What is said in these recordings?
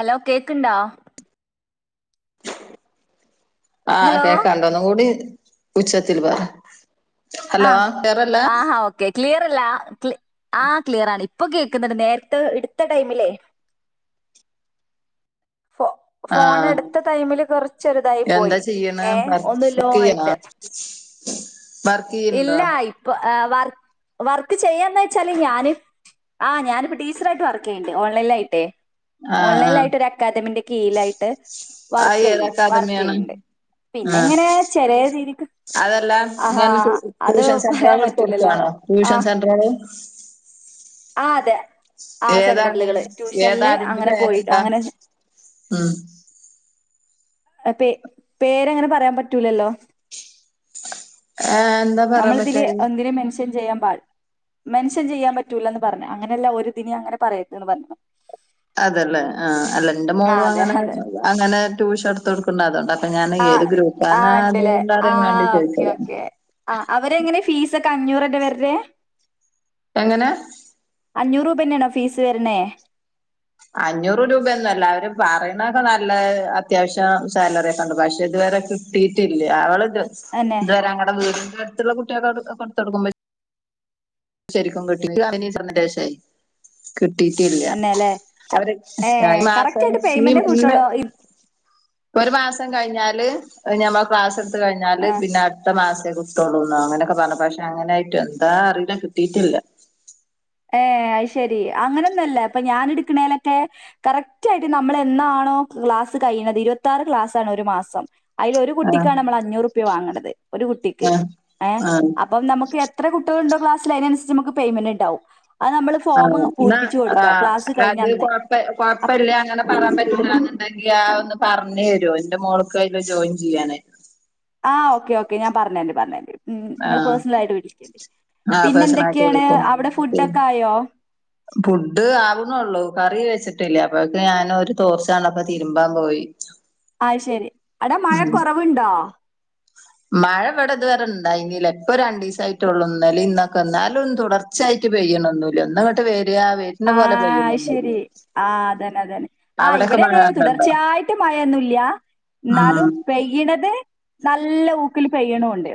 Hello കേക്ക്ൺണ്ടോ ആഹ് hello കേക്കാൺണ്ട് ഒന്നും കൂടി ഉച്ചത്തില് പറ ഹലോ ആഹ് ക്ലിയറല്ല ആഹ് ഓക്കെ. ക്ലിയറല്ല ആഹ് ക്ലി ക്ലിയറാണ് ഇപ്പ കേക്ക്ന്ന്ണ്ട് നേര്ത്തെ ഇട്ത്ത ടൈമിലെ ഫോ ആഹ് ഫോണെടുത്ത ടൈമില് കൊറച്ചൊരിതായി എന്താ പോയി. ചെയ്യണ് ഏഹ് ഒന്ന് വർക്ക് ലോ ചെയ്യണോ ആയിട്ട് വർക്ക് ചെയ്യണ്ടോ ഇല്ല ഇപ്പൊ ഏഹ് വർക്ക് വർക്ക് ചെയ്യാന്ന് വച്ചാല് ഞാന് ആഹ് ഞാനിപ്പ ടീച്ച്റായിട്ട് വർക്കീയ്യ്ണ്ണ്ട് ഓൺലൈൻലായിട്ടെ ആഹ് ഓൺലൈൻ ആയിട്ട് ഒര അക്കാദമിന്റെ കീഴിലായിട്ട് ആഹ് അത് ഏത് വർക്കെയ്യും അക്കാദമിയാണ് വർക്കെയ്യ്ണ്ണ്ട് ആഹ് അതല്ല ആഹാ ഇങ്ങന അത് ട്യൂഷൻ പറയാൻ സെന്ററേള് ഇട്തൊട്ത്തോ പറ്റൂലല്ലോ ട്യൂഷൻ സെൻന്ററേള് ആഹ് അതെ ആ ഏതാണ് സെന്ററിലുകള് ഏത ട്യൂഷനില് അതിന്റെ അങ്ങനെ പോയി പേരെന്താ അങ്ങനെ ഉം പേ പേരങ്ങനെ പറയാൻ പറ്റൂലല്ലൊ ഏഹ് എന്താ പറയാൻ ഞമ്മള് ഇതില് പറ്റായി ഒന്നിനെ മെൻഷൻ ചെയ്യാൻ പാട് മെൻഷൻ ചിയ്യാൻ പറ്റൂലന്ന് പറഞ്ഞ് അങ്ങനല്ല ഒര് ഇതിന് അങ്ങനെ പറയര്ത്ത്ന്ന് പറഞ്ഞ് അതെല്ലെ ആഹ് അല്ല ഇന്റെ ആ മോളു അതെ അങ്ങനെ അതെ അങ്ങനെ ട്യൂഷൻ ഇട്ത്തൊട് ണ്ട് അതോണ്ട ഇപ്പ ഞാന് ആ ഏത് ആ ഗ്രൂപ്പാന്നാ ഉണ്ടല്ലേ അതോണ്ട ആ അറിയാൻ വേണ്ടി ഓക്കെ ചോദിച്ചതാണ് ഓക്കെ ആ അവര് എങ്ങനെ ഫീസൊക്കെ അഞ്ഞൂറെന്നെ വര്നെ എങ്ങനെ അഞ്ഞൂറ് രൂബെന്നാണൊ ഫീസ് വര്ണെ അഞ്ഞൂറ് രൂബെന്നല്ല അവര് പറേണൊക്ക നല്ല അത്യാവശ്യം സാലറി ഒക്കണ്ട് പക്ഷെ ഇത് വരെ കിട്ടീട്ടില്ല അവള് ഇതു തന്നെ ഇതുവരെ ഞങ്ങടെ വീടിന്റെ അട്ത്ത്ള്ള കുട്ട്യേക്കൊക്കെ ഇട്ത്തൊട്ക്കും ശെരിക്കും കിട്ടി [unintelligible] ഇനി സന്തേശായ്. കിട്ടീട്ടില്ല തന്നെ അല്ലേ അവര് ഏ കറക്റ്റ് മാസം ആയിട്ട് ഈ പേയ്മെന്റ് ഇന്ന് കിട്ടുള്ളൂ ഒരു മാസം കഴിഞ്ഞാല് പിന്നെ ഞമ്മളെ ക്ലാസ് ഇട്ത്ത് കഴിഞ്ഞാല് ആ പിന്നെ അടുത്ത മാസെ കി [unintelligible] അങ്ങനൊക്കെ പറഞ്ഞെപ്പം. പക്ഷെ അങ്ങനെയായിട്ട് എന്താ അറീല്ല. കിട്ടീട്ടില്ല. ഏ അയ്ശെരി. അങ്ങനൊന്നല്ല. ഇപ്പം ഞാന് ഇടുക്ക്ണേലൊക്കെ കറക്റ്റായിട്ട് നമ്മളെന്നാണോ ക്ലാസ് കഴിയുന്നത്. ഇരുപത്താറ് ക്ലാസ്സാണ് ഒരു മാസം. അയ്ല് ഒരു ആഹ് കുട്ടിക്കാണ് നമ്മൾ അഞ്ഞൂറ് ഉറുപ്യ വാങ്ങ്ണത്. ഒരു കുട്ടിക്ക്. ആഹ് ഏ ആഹ് അപ്പം നമുക്ക് എത്ര കുട് കുട്ടിയോള്ണ്ടോ ക്ലാസില് അയിനനുസച്ച് നമുക്ക് പെയ്മെൻ്റ്ണ്ടാവും അത് നമ്മള് ആഹ് ഇന്നാ ക്ലാസ് ആഹ് അത് കഴിഞ്ഞന്ന്. കൊഴ അപ് കൊഴപ്പില്ല. അങ്ങനെ പറയാൻ പറ്റൂല്ലന്നുണ്ടെങ്കി അതൊന്നു പറഞ്ഞ് തരോ. ഇന്റെ മോൾക്ക് അയില് ജോയിൻ ചെയ്യാനാ. ആഹ് ഓക്കെ ഓക്കെ ഞാപറഞ്ഞരണ്ട് പറഞ്ഞരണ്ട് ഉം ഇങ്ങളെ ആഹ് പേഴ്സണലാഡ്. [unintelligible] ആ പിന്നെ പേഴ്സണായിട്ട് എന്തൊക്കേണ്. വിളിക്കും അവിടെ ഫുഡ് ഒക്കെ ആയോ? ഫുഡ് ആവ്ന്നോള്ളൂ കറി വെച്ചിട്ടില്ല അപ്പഴക്ക് ഞാന് ഒരു തോഷാർണപ്പ തിരുമ്പാൻ പോയി ആ ശെരി. അടെ മഴ ഉം കൊറവ്ണ്ടോ? മഴ ഇവിടെ ഇതുവരെ ഇണ്ടായീന്നില്ലെ. ഇപ്പ രണ്ടീസായിട്ടൊള്ളു. ഇന്നലിം ഇന്നൊക്കെ ഇന്നാലും തുടർ ച്ചായിറ്റ് പെയ്യ്ണോന്നുല്ല ഒന്നങ്ങട്ട് വെരാ വെ ആഹ് അയ്ശരി ആഹ് അതെന്നെ അതെന്നെ ആഹ് അവിടൊക്കെ ഇവിടെ മഴ ങ്ങനെ ഇണ്ടോ തുടർച്ചയായിട്ട് മയോന്നുല്ല്യാ ഉം ന്നാലും പെയ് ഇടെത് നല്ല ഊക്കിൽ പെയ്യ്ണൂണ്ട്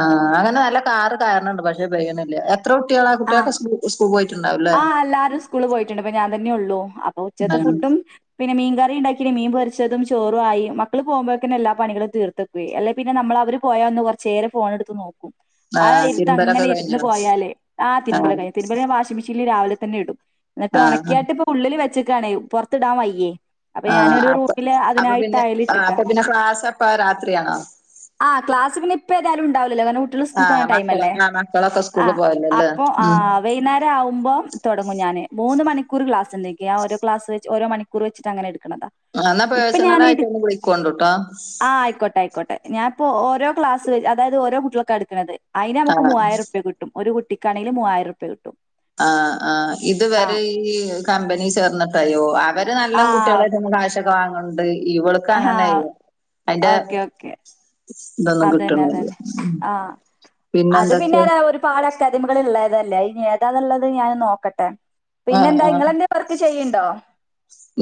ആഹ് അങ്ങനെ നല്ല കാറ് കയറ്ണണ്ട് പക്ഷെ പെയ്യ്ണില്ല എത്ര കുട്ട്യേളാ ആ കുട്ടിയളൊക്കെ സ് സ്കൂൾക്ക് പോയിട്ട്ണ്ടാവുല്ലേ ആഹ് അല്ലാരും സ്കൂള് പോയിട്ട്ണ്ട് ഇപ്പ ഞാൻ തന്നെ ഒള്ളു അപ്പൊ ആ ഉച്ചകെത്തെ ഫുഡും പിന്നെ മീൻ കറിംണ്ടാക്കിനി മീൻ പൊര്ച്ചെതും ചോറു ആയി മക്കെള് പോവ്മ്പോഴ്ക്ക്ന്നെ എല്ലാ പണികളും തീർത്ത് അല്ലേപിന്നെ നമ്മള് അവര്പോയാ ഒന്ന് കൊറച്ചേരം ഫോണെടുത്ത് നോക്കും ആ ഇരുത്തം തിരുമ്പലൊക്കെ അങ്ങനെ ഇരുന്ന് കഴിഞ്ഞോ പോയാല്. ആ തിരുമ്പല് കഴിഞ്ഞു തിരുമ്പല് ഞാൻ വാഷ് മെഷീനില് രാവിലെ തന്നെ ഇടും എന്നിട്ട് ആ ഉണക്കിയാട്ട് ഇപ്പ ഉള്ളില് വെച്ച്ക്കാണേ പൊറത്തിടാൻ വയ്യേ. അപ്പൊ ആ ഞാനൊരു അപ്പൊ റൂമില് അപ്പൊ അതിനായി പിന്നെ ടൈല് ആ ഇട്ടക്കാ അപ്പൊ പിന്നെ ക്ലാസ് അപ്പാ രാത്രിയാണോ? ആഹ് ക്ലാസ് പിന്നെ ഇപ്പേതായാലും ഇണ്ടാവൂലല്ലൊ കാരണം കുട്ടിയള് ആ സ്കൂൾക്ക് പോണ മക്കള് ടൈമല്ലേ ആ മക്കളൊക്കെ സ്കൂളിൽ ആഹ് പോയല്ലോല്ലേ അപ്പം ഉം ആഹ് വൈന്നേരം ആവുമ്പം തൊടങ്ങും ഞാന്, മൂന്നു മണിക്കൂർ ക്ലാസ്സുണ്ടെനിക്ക് ഞാ ഓരോ ക്ലാസ് വച്ച് ഓരോ മണിക്കൂർ വച്ചിട്ട് അങ്ങനെ എടുക്കണതാ. ആ എന്നാ ഇപ്പ പേഴ്സണൽ ഞാന് ആയിട്ട് എടു ഒന്ന് വിളിക്കോണ്ടുട്ടോ ആ ആയിക്കോട്ടെ ആയിക്കോട്ടെ. ഞാൻപ്പോ ഓരോ ക്ലാസ്സ് അതായത് ഓരോ കുട്ടികൾക്കാ എടുക്കണത് അയ്ന് ആ നമുക്ക് മൂവായിരം റുപ്യാ കിട് ഒരു കുട്ടിക്കാണേലും മൂവായിരം റുപ്യാ കിട്ടും. ആ ആഹ് ഇത് ആ വരെ ഈ കമ്പനി ചേർന്ന്ട്ടായോ അവൻ അത് നല്ല ആ കുട്ടികളായിട്ട നമ്മ കാശൊക്കെ വാങ്ങണ്ട് ഇവളുക്ക് ആ അങ്ങനെയല്ല. അയ്ന്റെ ഓക്കെ ഓക്കെ ഇതൊന്നും അതന്നെ കിട്ട്ണ്ല്ല്യ. അതന്നെ ആ അത് പിന്നെ പിന്നെന്തൊക്കെ അത് ഒരുപാട് അക്കാദമികള് ഇള്ളതല്ലേ അത്ഞ് ഏതാന്ന്ള്ളത് ഞാന് നോക്കട്ടെ ആഹ് പിന്നെന്താ ആഹ് ഇങ്ങളെന്തേം വർക്ക് ചെയ്യ്ണ്ടോ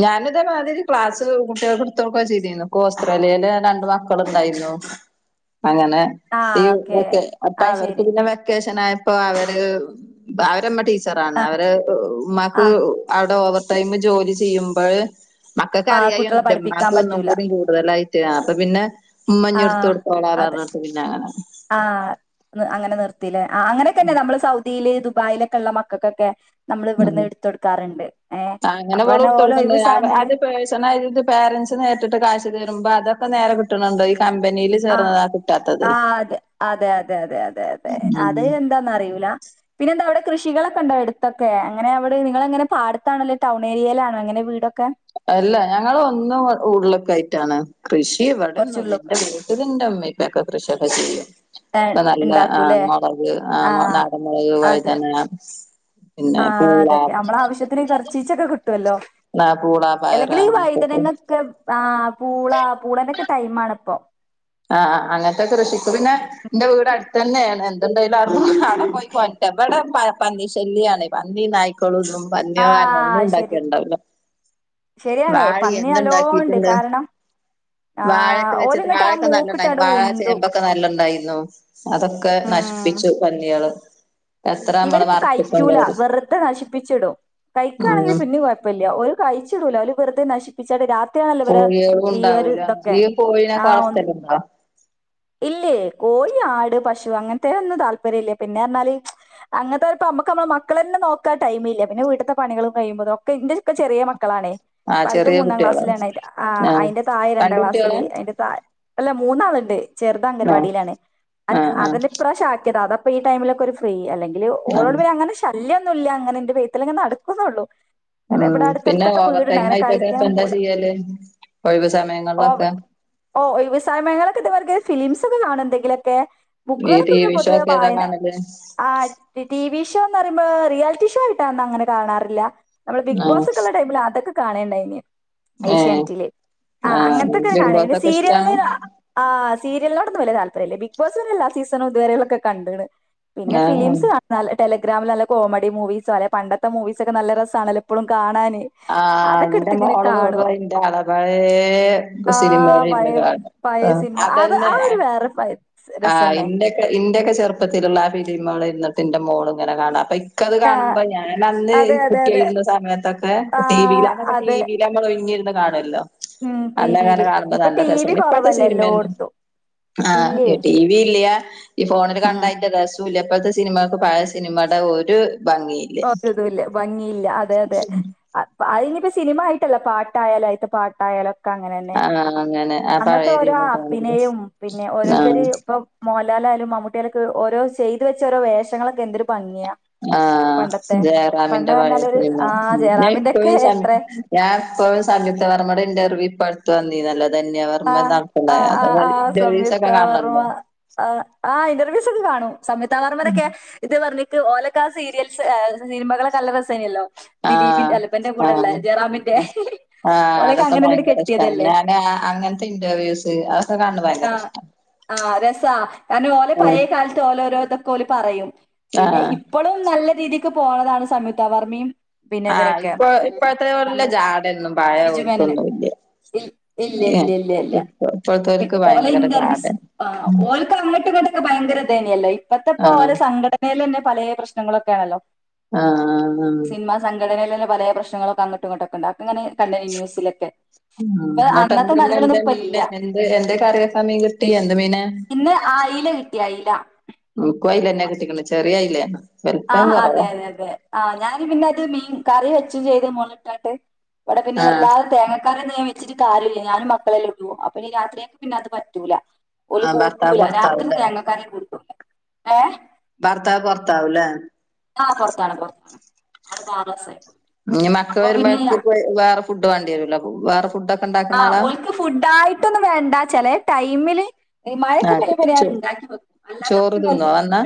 ഞാനിതേമാതിരി ക്ലാസ് കുട്ടികൾക്ക് ഇടുത്തോടുക്കെ ചെയ്തിന്നു ഇപ്പോ ഓസ്ട്രേലിയയില് ഞാൻ രണ്ടുമാസം തന്ന്ട്ടാണ്ടായ്ര്ന്നു അങ്ങനെ ആ ഈ ഓക്കെ ക്കെ അപ്പ ആ അവര്ക്ക് ശരി പിന്നെ വെ വെക്കേഷനായപ്പോ അവര് അവരെ ഇമ്മ ടീച്ചറാണ് ആ അവര് ആ ഉമ്മാക്ക് അവിടെ ഓവർ ടൈം ജോലി ചെയ്യുമ്പഴ് മക്കക്ക് ആഹ് അറിയായി കുട്ടികളെ ന്റ് പഠിപ്പിക്കാൻ ഉമാക്ക് ഒന്നും പറ്റൂല കൂടികു കൂടുതലായിട്ട് അപ്പ പിന്നെ ഉമ്മഞ് ആഹ് ഇടുത്തൊടുത്തോള അതെ പറഞ്ഞിട്ട് പിന്നെ അങ്ങന ആഹ് അങ്ങനെ നിർത്തില്ലേ ആഹ് അങ്ങനൊക്കെന്നെ നമ്മള് സൗദീല് ദുബായിലൊക്കെള്ള മക്ക നമ്മള് ഉം ഇവട്ന്ന് ഇട്ത്ത് കൊടുക്കാറുണ്ട് ഏഹ് അപ്പറഞ്ഞാ ഓലെ ഒഴിവ് സാമില് വയസനായോര്ത് പേരൻസ് നേരിട്ട്ട്ട് കാശ് തരുമ്പോ അതൊക്കെ നേരെ കിട്ടണുണ്ടോ ഈ കമ്പനിയിൽ ആഹ് ചേർന്നതാ കിട്ടാത്തത് ആ അതെ അതെ അതെ അതെ അതെ അതെ ഉം അത് എന്താന്ന് അറി ല്ല പിന്നെന്ത അവിടെ കൃഷികളൊക്കെണ്ടോ എടുത്തൊക്കെ അങ്ങനെ അവിടെ നിങ്ങളെങ്ങനെ പാടത്താണോ അല്ലേ ടൗൺ ഏരിയയിലണോ ങ്ങളെ വീടൊക്കെ അല്ല ഞങ്ങള് ഒന്ന് ഉള്ള്ക്കായിട്ടാണ് കൃഷി ഇവിടന്നുംല്ല കുറച്ചുള്ളൊക്കെ എൻറെ വി ഇതിന്റെമ്മ ഇപ്പൊക്കെ കൃഷിയൊക്കെ ചെയ്യും ഇപ്പൊ നല്ല ആ ഉണ്ടാക്കൂല്ലേ മുളക് ആ ആഹ് നാടൻമുളക് വയ്തനങ്ങ ആ അതൊക്കെ നമ്മളെ ആവശ്യത്തിന് കൊർച്ചിച്ചൊക്കെ കിട്ടുവല്ലോ ആ, പൂള പയറ് അല്ലെങ്കിൽ ഈ അങ്ങനത്തൊക്കെ വൈതനങ്ങൊക്കെ ആ പൂള പൂളേന്റൊക്കെ ടൈമ് ആണിപ്പോ ആഹ് അങ്ങനത്തെ കൃഷിക്ക് പിന്നെ ഇന്റെ വീട് അടുത്തന്നെണ് എന്തുണ്ടായാലും അവ്ടെ പോയി കോണ്ട്ര ഇവിടെ പന്നി ശെല്യാണ് പന്നി നാ [unintelligible] ആ പന്നിയേൾ കാരണം ഒന്നും ശരി ഉണ്ടാക്കിയണ്ടാവൂല ശരിയാണേ വാഴ പന്നി നല്ലോണ്ട് എന്ത്ണ്ടാക്കിട്ടെന്ത് കാരണം ആ വാഴൊക്കെ വെച്ചിട്ട് ഓലിങ്ങട്ട് വാഴ ആ ഒക്കെ നല്ലണ്ടായിരുന്നു മൂക്കിട്ടാണ്ട് വാഴ ഉന്തും ചേമ്പൊക്കെ നല്ല ഉണ്ടായിരുന്നു അതൊക്കെ ഉം നശിപ്പിച്ചു പന്നിയേള് ഇവരിപ്പൊ കഴിക്കൂല വെറുതെ നശിപ്പിച്ചിടും കഴിക്കുകയാണെങ്കിൽ ഉം പിന്നും കുഴ പ്പല്യ ഓര് കഴിച്ചിടൂല ഒരു വെറുതെ നശി രാത്രിയാണല്ലോ ഇവരെ കോഴികളും ഈ ഒരു ഉണ്ടാവൂല ഇതൊക്കെ ഈ ആ കോഴീനൊക്കെ ഒ വളർത്തലുണ്ടോ ഇല്ലേ ഓല് ആട് പശു അങ്ങനത്തെ ഒന്നും താല്പര്യം ഇല്ല പിന്നെ പറഞ്ഞാല് അങ്ങനതോരൊപ്പം നമ്മുക്ക് നമ്മളെ മക്കള ന്നെ നോക്കാൻ ടൈമില്ല പിന്നെ വീട്ട്ത്തെ പണികളും കഴിയുമ്പോ ഒക്കെ ഇൻ്റെ ഇപ്പം ചെറിയ മക്ക മക്കളാണ് ആഹ് വല്ത് ചെറിയ മൂന്നാം കുട്ടികളോ ക്ലാസ്സിലാണ് ആ ആഹ് അതിന്റെ തായ രണ്ട് രണ്ടാം കുട്ടികളാ ക്ലാസ്സില് അതിന്റെ തായെ അല്ല മൂന്നാളുണ്ട് ചെറുത് ആഹ് അംഗനവാടിയിലാണ് ആഹ് ആഹ് അതന്നെ ഇപ്രാവശ്യം ആക്കിയതാ അതപ്പൊ ഈ ടൈമിലൊക്കെ ഒരു അല്ലെങ്കിൽ ആഹ് ഓളോണ്ട് പിന്നെ അങ്ങനെ ശല്യന്നുമില്ല അങ്ങനെ ഇ ന്റെ ബയ്ത്താലെ ങ്ങനെ നടക്കുംന്നൊള്ളു ഉം പിന്നെ ഓവർടൈം ആയിട്ടൊക്കെ ഇപ്പൊ കളിക്കാനൊന്നും എന്താ പോവൂല. ചെയ്യല് ഒഴിവ് ഓ സമയങ്ങളിലൊക്കെ ഓ ഒഴിവ് സമയങ്ങളിലൊക്കെ ഇതുപോലെ തന്നെ ഫിലിംസ് ഒക്കെ കാണും എന്തെങ്കിലൊക്കെ ഈ ബുക്കുകളൊക്കെ ടി പിന്നെ വി ഷോ പൊതുവേ ഒക്കെ ഏതാ വായന കാണല് ആ ടി വി ഷോ എന്ന് പറയുമ്പോ റിയാലിറ്റി ഷോ ആയിട്ടൊന്നും അങ്ങനെ കാണാറില്ല നമ്മളെ ബിഗ് ആഹ് ബോസൊക്കെ ഉള്ള ടൈമിൽ അതൊക്കെ കാണേണ്ടായിനേ ഏഹ് ഏഷ്യാനെറ്റില് ആ ആഹ് അങ്ങനത്തൊക്കെ ബിഗ് കാണല് ബോസ് പിന്നെ ഒക്കെ ഇഷ്ടാണ് സീരിയല ആഹ് സരിയലിനോട് ഇക്ക് വലിയ താല്പര്യല്ല ബിഗ് ബോസ് പിന്നെ എല്ലാ സീസണും ഇതുവരെള്ളതൊക്കെ കണ്ടേണ് പിന്നെ ആഹ് ഫിലിംസ് കാ ടെലഗ്രാമിൽ നല്ല കോമഡി മൂവീസും അല്ല പണ്ടത്തെ മൂവീസ ഒക്കെ നല്ല രസാണല്ലോ ഇപ്പഴും കാണാന് ആ അതൊക്കെ ഇന്റെ എടുത്ത് ഇങ്ങനെ മോള് കാണും കേറുവാ അതിന്റെ ആളാ പഴയ സിനമേൾ ഇര്ന്ന് കാണും പയേ ആഹ് സിനിമ അത് ആ അതന്നെ ഒരു വേറെ പയ രസന്നെ ഇന്റെക്കെ ചെറുപ്പത്തിലുള്ള ആ ഫിലിമൾ ഇര്ന്ന്ട്ട് ഇന്റെ മോൾ ഇങ്ങനെ കാണും അപ്പ ഇക്കത് കാണുമ്പോ ഞാൻ അന്ന് അതെ അതെ അതെ കുട്ടിയായിരുന്ന സമയത്തൊക്കെ ആ ടി വിയിലന്നൊക്കെ ടി അതെ വി നമ്മൾ ഒഴിഞ്ഞിരുന്ന് കാണല്ലോ ഉം ടി വിയില് അന്നങ്ങനെ കാണുമ്പോ ഇപ്പൊ നല്ല ടി രസ വി ഇപ്പഴത്തെ കൊറവല്ലേ സിനിമയും എല്ലോട്ത്തും ആ ഇല്ലേ ടി ഇ ഇല്ല ഈ ഫോണില് കണ്ട ഉം അതിന്റെ രസവും ഇല്ല ഇപ്പോഴത്തെ സിനിമകൾക്ക് പഴ സിനിമയുടെ ഒരു ഭംഗി ഒര്തുല്ല ഭംഗിയില്ല അതെ അതെ അ അതിനിപ്പപ്പോ സിനിമ ആയിട്ടല്ല പാട്ടായാലും അയ്ത്ത പാട്ടായാലും ഒക്ക അങ്ങനന്നെ ആഹ് അങ്ങനെ ആ അന്നത്തെ പഴയത് ഓരോ ഇരുന്ന് കാണുമ്പോ ആപ്പിനെയും പിന്നെ ആഹ് ഓരോരുത്തരു ഇപ്പൊ മോഹൻലാലായാലും മമ്മൂട്ടിയായാലൊക്കെ ഓരോ ചെയ്തു വെച്ച ഓരോ വേഷങ്ങളൊക്കെ എന്തൊരു ഭംഗിയാ ആ പണ്ടത്തെ പണ്ട് ജയറാമിന്റെ പഴയ പറഞ്ഞാല് ഒരു സിനിമ ആ ജയറാമിന്റെ ഒക്കെ ഞാൻപ്പോഴും സമയ എത്ര ഞാൻ ഇപ്പൊഴും സംയുക്തവർമ്മയുടെ ഇന്റർവ്യൂ ഇപ്പട്ത്ത് വന്നീനല്ലോ ധന്യ വർമ നടത്ത്ണ ആഹ് അത് ഒരീസൊക്കെ ഒക്കെ [unintelligible] ആ ആഹ് ഇന്റർവ്യൂസൊക്കെ കാണും സംയുക്ത വർമ്മനൊക്കെ ഇത് പറഞ്ഞിക്ക് ഓലക്കാ സീരിയൽസ് സിനിമകളൊക്കെ നല്ല രസേന്യല്ലോ ആഹ് ദിലീപിന്റെ അല്ല ഇബന്റെ കൂടെള്ള ആഹ് ജയറാമിന്റെ ആഹ് ഓലൊക്കെ അതൊക്കെ അങ്ങനെന്നണ്ട് ഭയങ്കര ഇഷ്ടാണ് കെട്ടിയതല്ലേ ഞാന് അങ്ങനത്തെ ഇന്റർവ്യൂസ് അതൊക്കെ കാണും ആ ആഹ് രസാ കാരണം ഓലെ ഉം പയേ കാലത്ത് ഓലെ ഓരോ ഇതൊക്കെ ഓല് പറയും പിന്നെ ആഹ് ഇപ്പളും നല്ല രീതിക്ക് പോണതാണ് സംയുക്ത വർമ്മേം ആഹ് ഇപ്പൊ ഇപ്പഴത്തോരെയ്ള്ള ജാഡൊന്നും പഴെയ ബിജു മേനോനും ഓരുക്കൊന്നുംല്ല ഇൽ ഇല്ല ഇല്ല ഏഹ് ഇല്ല ഇല്ല ഇപ്പ ഇപ്പഴ്ത്തോർക്ക് ഭയങ്കര ജാഡെ ക്ക അങ്ങോട്ടും ഇങ്ങോട്ടൊക്കെ ഭയങ്കര ഇതേന്യല്ലോ ഇപ്പത്തെ ഇപ്പൊ ആഹ് ഓലെ സംഘടനേലെന്നെ പലേ പ്രശ്നങ്ങളൊക്കെ ആണല്ലോ ആഹ് സംഘടനേലെന്നെ പലേ പ്രശ്നങ്ങളൊക്കെ അങ്ങട്ടും ഇങ്ങട്ടൊക്ക ഇണ്ട് അതൊക്കെ ഇങ്ങനെ കണ്ടേനി ന്യൂസിലൊക്കെ ഇപ്പൊ അന്നത്തെ [unintelligible] എന്ത് നടികളൊന്നും ഇപ്പൊ മീന് ഇല്ല എന്ത് എന്തൊ കറി വെക്കാൻ മീൻ കിട്ടി എന്ത് മീനാ പിന്നെ അയില കിട്ടി അയില ഇന്ക്കും അയിലെന്നെ കിട്ടിക്ക്ണ് ചെറിയ അയിലേണ് വെല്പം കുറവാ ആഹ് ഞാൻ പിന്നെ അത് മീൻ കറി വെച്ചും ചെയ്ത് മൊള് ഇട്ടാണ്ട് ഇവിടെ പിന്നെ ആഹ് വല്ലാതെ തേങ്ങ കറി ഒന്നും വെച്ചിട്ട് കാര്യല്ല ഞാനും മക്കളെല്ലേ ഉള്ളൂ അപ്പൊ ഇനി രാത്രിയേക്ക് പിന്നെ അത് പറ്റൂല ഓല് ആഹ് ഭർത്താവ് കൂട്ടൂല രാത്രി പൊറത്താവുംല്ലേ തേങ്ങക്കറി കൂട്ടൂല ഏഹ് ഭർത്താവ് പൊറത്താവുലെ ആഹ് പൊറത്താണ് പൊറത്താണ് ആള് ഇപ്പൊ ആറ് മാസായി ഇനി മക്ക വരുമ്പോഴക്ക് വേറെ ഫുഡ് വേണ്ടി വരുല്ലോ അപ്പൊ വേറെ ഫുഡൊക്കെ ഇണ്ടാക്ക്ണ ആഹ് ആളാ? ഓല്ക്ക് ഫുഡ് ആയിയിട്ടൊന്നും വേണ്ട ചെലേ ടൈമില് ഈ മഴൊക്കെ പെയ്യുമ്പം ആഹ് ഞാൻ ചോ ഇണ്ടാക്കി വെക്കും അല്ലാത്തപ്പൊ ചോറ് പിന്നെ തിന്നോ ഓല്ക്ക് വന്നാ?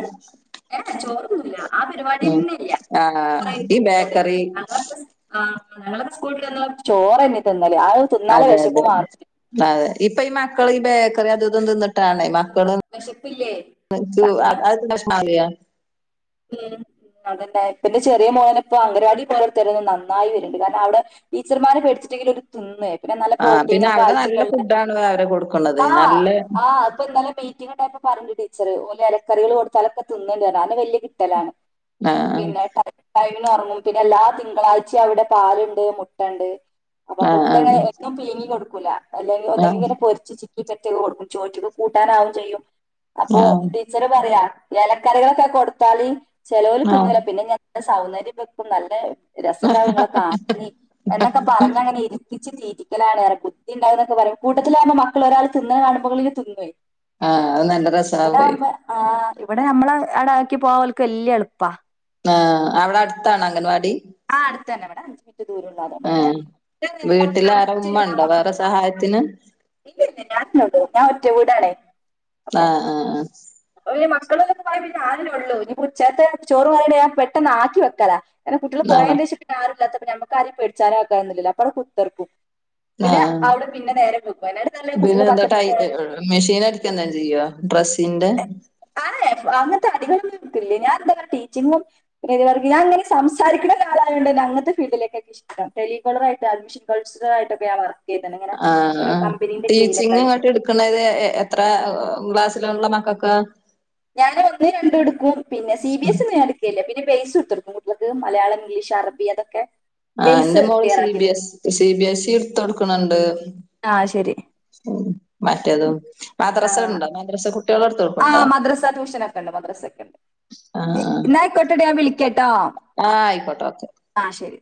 ഏഹ് ഏഹ് ചോറൊന്നുംല്ല ആ ഉം പരിപാടിന്നെ ഇല്ല ആഹ് ഈ ഞങ്ങളൊക്കെ പറയും ബേക്കറി [unintelligible] ഞങ്ങളൊക്കെ ആഹ് ഞങ്ങളൊക്കെ സ്കൂള്ട്ട് വന്നാ ചോറ്ന്നെ തിന്നല് അത്‌ തിന്നാലെ അതെ വിശപ്പ് അതെ മാറൊ അതെ ഇപ്പ ഈ മക്കള് ഈ ബേക്കറി അതും ഇതും തിന്നിട്ട് ആഹ് മക്കളും വെശപ്പില്ലേ കാരണം [unintelligible] ഉം അതന്നെ ഇപ്പന്റെ ചെറിയ മോൻ ഇപ്പോ അംഗനവാടി പോയൊരുത്തൊരു നന്നായി വര്ണ്ട് കാരണം അവിടെ ടീച്ചർമാരെ പേടിച്ചിട്ടെങ്കിലും ഓര് തിന്നെ പിന്നെ നല്ല ആ പിന്നെ പ്രോട്ടീനും അവിടെ നല്ല കാൽസ്യക്കൊള്ളെ ഫുഡാണ് അവര് കൊടുക്കണത് ആഹ് നല്ല ആഹ് ഇപ്പിന്നലെ മീറ്റിങ്ങ് ഇണ്ടായപ്പം പറയ്ണ്ട് ടീച്ചർ ഓല് ഇലക്കറികള് കൊടുത്താലൊക്കെ തിന്ന്ണ്ടറിഞ്ഞ് അത് തന്നെ വല്യ കിട്ടലാണ് ആ പിന്നെ ടൈംന് ഉറങ്ങും പിന്നെ എല്ലാ തിങ്കളാഴ്ചയും അവിടെ പാലുണ്ട് മുട്ട ഉണ്ട് അപ്പൊ ആ ആ മുട്ടങ്ങനെ എപ്പം പിഴിങ്ങി കൊടുക്കൂല അല്ലെങ്കി ആ ഒന്നിങ്ങനെ പൊരിച്ച് ച്ചി ഒറ്റക്ക് കൊടുക്കും ചോറ്റിക്ക് കൂട്ടാനാവും ചെയ്യും ആ അപ്പോ ച്ചർ പറയാ ഇലക്കറികളൊക്കെ കൊടുത്താല് ചെലോൽ ആ തിന്നൂല പിന്നെ ഞാൻ സൗന്ദര്യം വെക്കും നല്ല രസണ്ടാവും ഇങ്ങളെ കാണാന് എന്നൊക്കെ പറഞ്ഞങ്ങനെ ഇ കുത്തിച്ച് തീറ്റിക്കലാനാണ് ബുദ്ധി ഇണ്ടാവുന്നൊക്കെ പറയും കൂട്ടത്തിലറ്ഞ്ഞാ മക്കൾ ഒരാൾ തിന്ന്ണ കാണ് മ്പോ ഇങ്ങനെ തിന്നുവേ ആഹ് അത് നല്ല ഇവിടെ രസാവു ആകുമ്പോ ആ ഇവിടെ നമ്മളെ അടെ ആക്കി പോവാ ഓല്ക്ക് വല്യ എളുപ്പാ ആഹ് അവിടെ അടുത്താണൊ അംഗൻവാടി ആഹ് അടുത്തന്നെ ഇവടെ അഞ്ച് മിനിറ്റ് ദൂരൊള്ളു ഏഹ് വീട്ടിലാര ഉമ്മണ്ടോ വേറെ സഹായത്തിന് ഇല്ലല്ല ഞാനെന്നെ ഒള്ളൂ ഞാൻ ഒറ്റ വീടാണെ ആഹ ആഹ ആഹ അപ്പൊ പിന്നെ മക്കള്ക്കൊക്കെ പോയാ പിന്നെ ഞാന് അല്ലെ ഉള്ളൂ ഇനി ഉച്ചേര്ത്തെ ചോറ് പോയാണ്ട് ഞാന് പെട്ടെന്ന് ആക്കി വെക്കലാ പിന്നെ കുട്ട്യേൾ ആ പോയേന്റെശം പിന്നെ ആരും ഇല്ലാത്തപ്പം ഞമക്ക് ആരേം പേടിച്ചാനും ആക്കാനൊന്നുംല്ലല്ലോ അപ്പൊ അവിടെ കുത്തർക്കും ആ പിന്നെ അവ്ടിം പിന്നെ നേരം വെകും. അയ്നാട്ടിം നല്ലത് കുട്ടികള് പത്തണിക്ക് പോണേ [unintelligible] മിഷീൻ അടിക്കെന്തങ്കി ചെയ്യോ ഡ്രെസ്സിന്റെ. അഏഹ് അങ്ങൻത്തെ അടികളൊന്നും ഇൻക്കില്ലേ. ഞാൻ എന്താ പർയാ ടീച്ചിങ്ങും [unintelligible] വർക്ക്. ഞാൻങ്ങനെ സംസാരിക്ക്ണ ഒരാളായോണ്ടന്നെ അങ്ങത്തെ ഫീഡിലേക്കെക്കെഷ് ടം. ടെലികോളറായിട്ട് അഡ്മിഷൻ കൾചറലായിട്ടൊക്ക ഞാൻ വർ ക്കെയ്ത്ണ്. ഇങ്ങനെ ഓരോ കമ്പനിന്റെ കീഴിലൊക്കായിട്ട്. കണത് എ എ എത്ര ക്ലാസ്സിലുള്ള മക്കക്കാ. ഞാൻ ഒന്ന് രണ്ടും ഇട്ക്കും. പിന്നെ സി ബി എസ് ഇ ഒന്നും ഞാൻ ട്ക്കേല്ലേ. പിന്നെ ബേസ് ഇട്ത്തൊടുക്കും കുട്ട്യെൾക്ക് മലയാളം ഇംഗ്ലീഷ് അറബി അതൊക്കെ. ആഹ് ബേസ് ഇൻ്റെ മോള് ക്ലിയർ സി ആക്കി ബി കൊടുക്കും S, C B S E ഇടുത്തൊട്ക്ണ് ണ്ട് ആഹ് ശരി ഉം മറ്റതും ആഹ് മദ്രസണ്ടോ മദ്രസ കുട്ട്യേളെ ഇട്ത്തൊട്ക്ക്ണ്ടോ? ആഹ് മദ്രസ ട്യൂഷനൊക്കെ ന്നാ അയിക്കോട്ടെടി ഞാൻ വിളിക്ക്യട്ടോ. ആഹ് ആയിക്കോട്ടോക്കെ. ആഹ് ശരി.